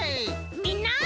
みんな。